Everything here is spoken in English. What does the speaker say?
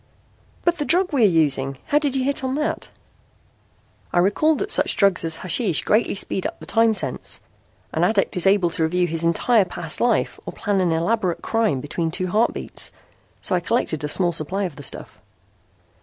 "But the drug we are using. How did you hit on that?" "I recalled that such drugs as hashish greatly speed up the time sense. An addict is able to review his entire past life or plan an elaborate crime between two heartbeats. So I collected a small supply of the stuff."